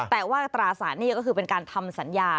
แต่ว่าตราสารหนี้ก็คือเป็นการทำสัญญา